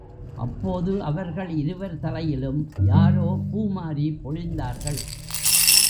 அப்போது அவர்கள் இருவர் தலையிலும் யாரோ பூமாரி பொழிந்தார்கள்.